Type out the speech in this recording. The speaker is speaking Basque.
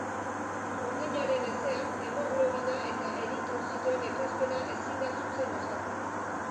Burdinaren ezean, hemoglobina eta eritrozitoen ekoizpena ezin da zuzen osatu.